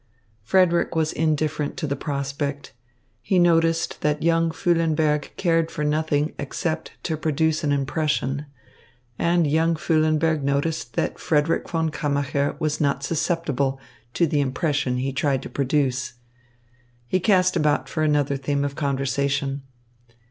Frederick was indifferent to the prospect. He noticed that young Füllenberg cared for nothing except to produce an impression; and young Füllenberg noticed that Frederick von Kammacher was not susceptible to the impression he tried to produce. He cast about for another theme of conversation.